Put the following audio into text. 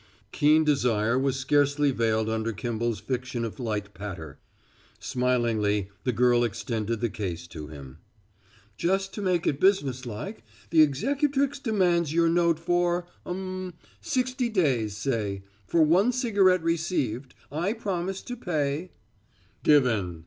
Keen desire was scarcely veiled under Kimball's fiction of light patter. Smilingly the girl extended the case to him. "Just to make it businesslike, the executrix demands your note for um sixty days, say. 'For one cigarette received, I promise to pay '" "Given!"